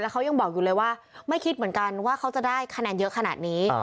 เขายังบอกอยู่เลยว่าไม่คิดเหมือนกันว่าเขาจะได้คะแนนเยอะขนาดนี้